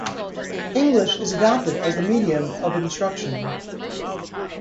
English is adopted as the medium of instruction.